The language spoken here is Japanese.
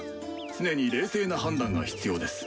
常に冷静な判断が必要です。